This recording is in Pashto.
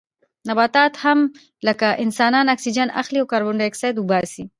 نباتات هم لکه انسانان اکسیجن اخلي او کاربن ډای اکسایډ وباسي